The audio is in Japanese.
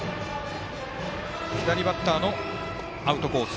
左バッターのアウトコース